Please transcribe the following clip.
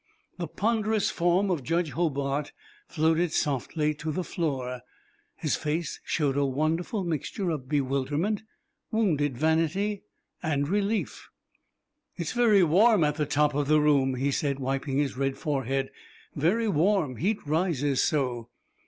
The ponderous form of Judge Hobart floated softly to the floor; his face showed a wonderful mixture of bewilderment, wounded vanity, and relief. "It's very warm at the top of the room," he said, wiping his red forehead; "very warm. Heat rises so."